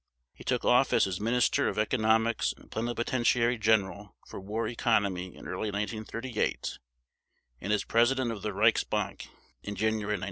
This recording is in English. He took office as Minister of Economics and Plenipotentiary General for War Economy in early 1938 and as President of the Reichsbank in January 1939.